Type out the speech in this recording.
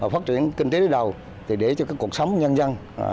phát triển kinh tế đi đầu thì để cho các cuộc sống nhân dân